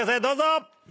どうぞ！